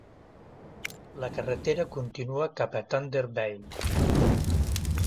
La carretera continua cap a Thunder Bay.